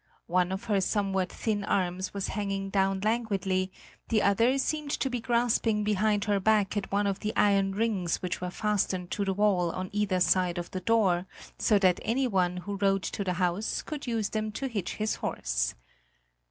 One of her somewhat thin arms was hanging down languidly, the other seemed to be grasping behind her back at one of the iron rings which were fastened to the wall on either side of the door, so that anyone who rode to the house could use them to hitch his horse.